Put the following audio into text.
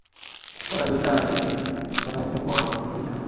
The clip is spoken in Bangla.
ওরা যে চায় যে কোন একটা পথ তুমি বেছে নাও।